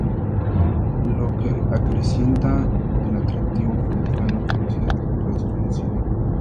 Lo que acrecienta el atractivo provocando curiosidad por lo desconocido.